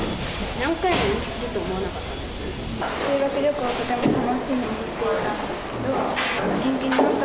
何回も延期すると思わなかった。